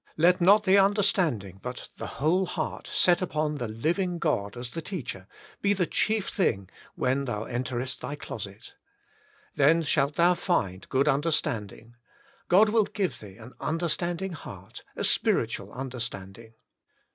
Let not the understand ing, but the whole heart set upon the living God The Heart and the Understanding 6j as the Teacher, be the chief thing, when thou enterest thy closet. Then shalt thou find good understanding. God will give thee an understand ing heart, a spiritual understanding.